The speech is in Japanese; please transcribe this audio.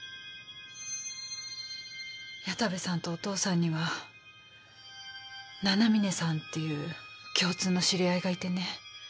矢田部さんとお父さんには七峰さんっていう共通の知り合いがいてね。